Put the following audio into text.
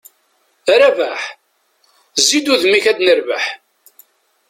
A Rabaḥ! Zzi-d udem-k ad nerbeḥ.